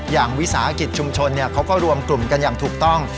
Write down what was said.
วิสาหกิจชุมชนเขาก็รวมกลุ่มกันอย่างถูกต้อง